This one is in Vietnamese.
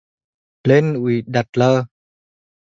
Lên núi đặt lờ